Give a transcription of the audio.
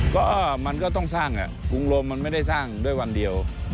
ก็มันก็ต้องสร้างกรุงลมมันไม่ได้สร้างด้วยวันเดียว